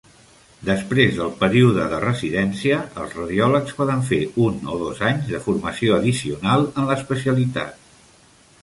Després del període de residència, els radiòlegs poden fer un o dos anys de formació addicional en l'especialitat.